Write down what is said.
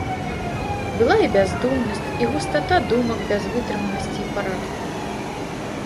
Была і бяздумнасць, і густата думак без вытрыманасці і парадку.